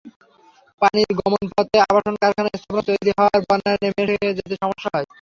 পানির গমনপথে আবাসন-কারখানা-স্থাপনা তৈরি হওয়ায় বন্যার পানি নেমে যেতে সমস্যা হয়।